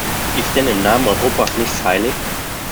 Ist denn im Namen Europas nichts heilig?